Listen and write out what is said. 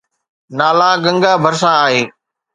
تالا گنگا ڀرسان آهي.